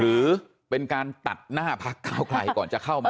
หรือเป็นการตัดหน้าพักเก้าไกลก่อนจะเข้ามา